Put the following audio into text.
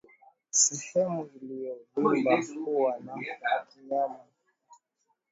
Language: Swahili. Sehemu iliyovimba huwa na kinyama kinachotoa gesi yenye povupovu